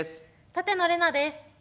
舘野伶奈です。